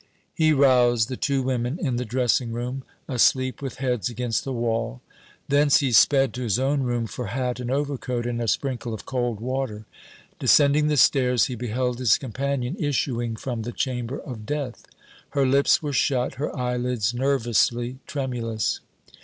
He roused the two women in the dressing room, asleep with heads against the wall. Thence he sped to his own room for hat and overcoat, and a sprinkle of cold water. Descending the stairs, he beheld his companion issuing from the chamber of death. Her lips were shut, her eyelids nervously tremulous.